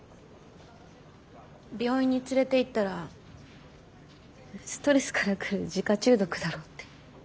病院に連れていったらストレスから来る自家中毒だろうって。